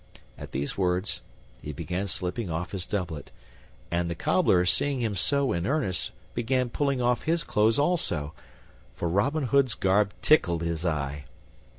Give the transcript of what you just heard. At these words he began slipping off his doublet, and the Cobbler, seeing him so in earnest, began pulling off his clothes also, for Robin Hood's garb tickled his eye.